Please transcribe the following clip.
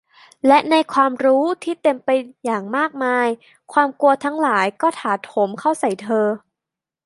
และในความรู้ที่เต็มไปอย่างมากมาย ความกลัวทั้งหลายก็ถาโถมเข้าใส่เธอ